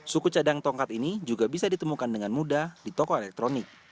suku cadang tongkat ini juga bisa ditemukan dengan mudah di toko elektronik